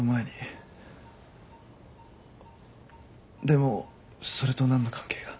でもそれと何の関係が？